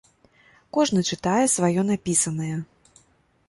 Кожны чытае сваё напісанае.